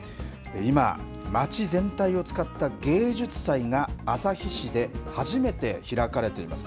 今、街全体を使った芸術祭が旭市で初めて開かれています。